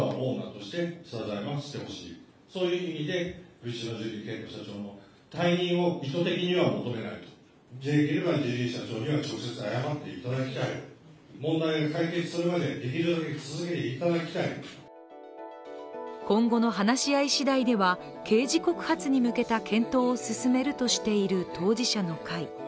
藤島ジュリー景子社長の辞任を提言したことについては今後の話し合いしだいでは刑事告発に向けた検討を進めるとしている当事者の会。